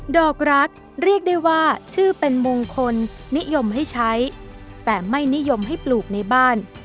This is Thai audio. ดอกรักเรียกได้ว่าชื่อเป็นมงคลนิยมให้ใช้แต่ไม่นิยมให้ปลูกในบ้าน